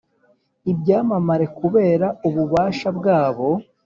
ibyamamare kubera ububasha bwabo.